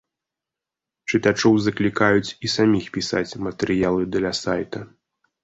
Чытачоў заклікаюць і саміх пісаць матэрыялы для сайта.